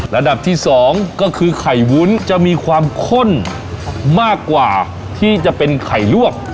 ระดับที่๒ก็คือไข่วุ้นจะมีความข้นมากกว่าที่จะเป็นไข่ลวก